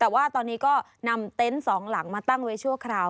แต่ว่าตอนนี้ก็นำเต็นต์สองหลังมาตั้งไว้ชั่วคราว